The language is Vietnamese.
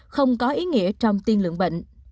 không có ý nghĩa trong tiên lượng bệnh